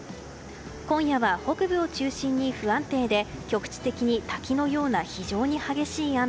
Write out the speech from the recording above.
今夜は北部を中心に不安定で局地的に滝のような非常に激しい雨。